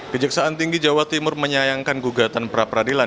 kejaksaan tinggi jawa timur menyayangkan gugatan pra peradilan